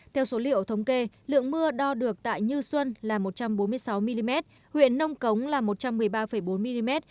theo số liệu thống kê lượng mưa đo được tại như xuân là một trăm bốn mươi sáu mm huyện nông cống là một trăm một mươi ba bốn mm